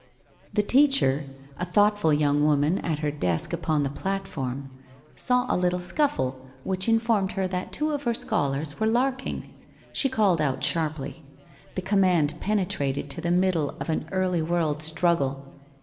The teacher, a thoughtful young woman at her desk upon the platform, saw a little scuffle which informed her that two of her scholars were larking. She called out sharply. The command penetrated to the middle of an early world struggle.